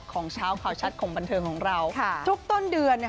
ของเช้าข่าวชัดของบันเทิงของเราทุกต้นเดือน